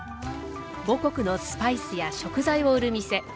母国のスパイスや食材を売る店。